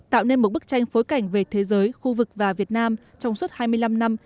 tạo nên một bức tranh phối cảnh về thế giới khu vực và việt nam trong suốt hai mươi năm năm